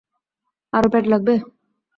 আরও প্যাড লাগবে?